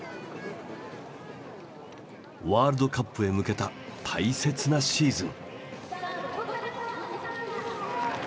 ワールドカップへ向けた大切なシーズン。